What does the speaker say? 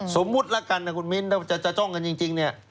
สมมุติละกันนะคุณมิ้นถ้าจะจ้องกันจริงเนี่ย